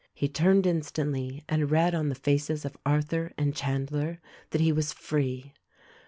He turned instantly and read on the faces of Arthur and Chandler that he was free.